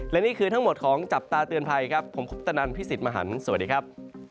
และนี่คือทั้งหมดของจับตาเตือนภัยครับผมคุปตนันพี่สิทธิ์มหันฯสวัสดีครับ